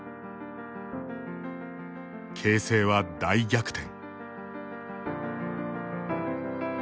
形勢は、大逆転。